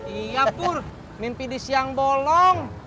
iya pur mimpi di siang bolong